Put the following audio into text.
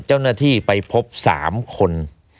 เจ้าหน้าที่ไปพบ๓คน